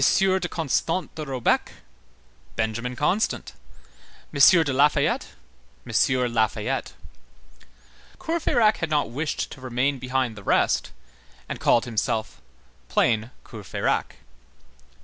de Constant de Robecque, Benjamin Constant; M. de Lafayette, M. Lafayette. Courfeyrac had not wished to remain behind the rest, and called himself plain Courfeyrac.